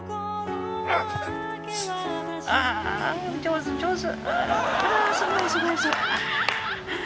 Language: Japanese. ああ上手上手。